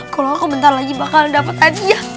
kalau aku bentar lagi bakal dapat hadiah